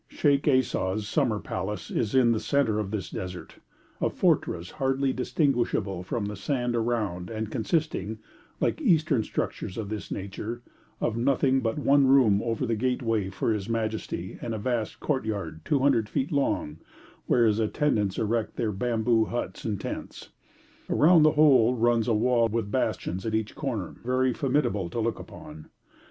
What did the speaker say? Sheikh Esau's summer palace is in the centre of this desert a fortress hardly distinguishable from the sand around, and consisting, like Eastern structures of this nature, of nothing but one room over the gateway for his majesty, and a vast courtyard 200 feet long, where his attendants erect their bamboo huts and tents. Around the whole runs a wall with bastions at each corner, very formidable to look upon.